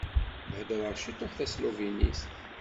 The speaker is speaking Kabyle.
Heddreɣ ciṭuḥ tasluvinit.